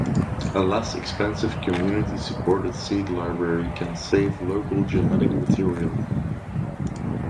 A less expensive, community-supported seed library can save local genetic material.